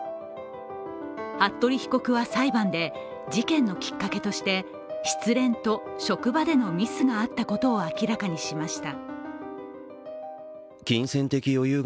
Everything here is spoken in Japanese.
服部被告は裁判で、事件のきっかけとして、失恋と職場でのミスがあったことを明らかにしました。